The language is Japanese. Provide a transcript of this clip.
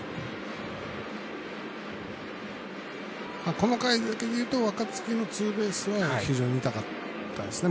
この回だけで言うと若月のツーベースは非常に痛かったですね。